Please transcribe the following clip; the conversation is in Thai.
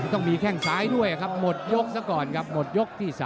ต้องมีแข้งซ้ายด้วยครับหมดยกซะก่อนครับหมดยกที่๓